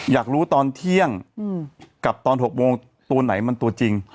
อยากรู้ตอนเที่ยงกับตอน๖โมงตัวไหนมันตัวจริง